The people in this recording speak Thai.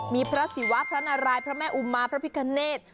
มีพระศิวะพระนารายพระแม่อุมาพระพิคเนธ